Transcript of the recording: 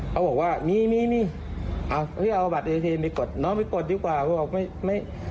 เขาบอกว่ามีมีเอาบัตรเอทีไปกดน้องไปกดดีกว่าเขาบอกไม่ไม่